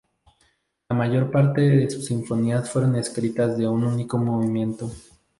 La mayor parte de sus sinfonías fueron escritas de un único movimiento.